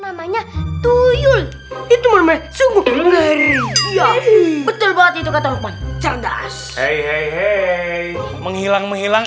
namanya tuyul itu sungguh betul banget itu kata hukuman cerdas menghilang menghilang